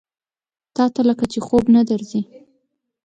تاته لکه چې خوب نه درځي؟